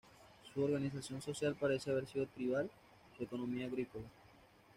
Su organización social parece haber sido tribal, su economía, agrícola.